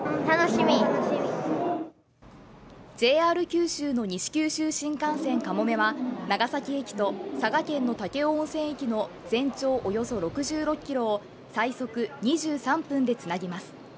ＪＲ九州の西九州新幹線かもめは長崎市と佐賀県の武雄温泉駅の全長およそ６６ｋｍを最速２３分でつなぎます